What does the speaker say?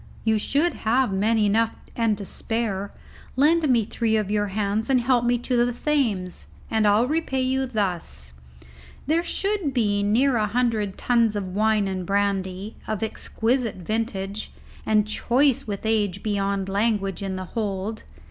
"You have men enough and to spare. Lend me three of your hands to help me to the Thames, and I'll repay you thus; there should be near a hundred tons of wine and brandy, of exquisite vintage, and choice with age beyond language in the hold.